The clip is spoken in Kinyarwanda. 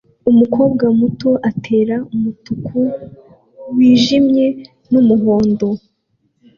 Umukobwa muto atera umutuku wijimye n'umuhondo